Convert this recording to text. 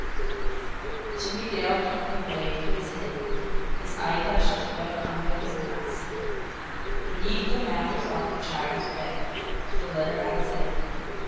Jimmie Dale turned away his head his eyelashes wet under his mask. "BENEATH THE MATTRESS OF THE CHILD'S BED," the letter had said.